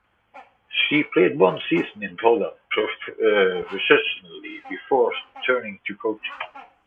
She played one season in Poland professionally before turning to coaching.